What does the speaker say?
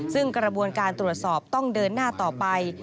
ซึ่งกระบวนการตรวจสอบต้องเดินหน้าต่อไป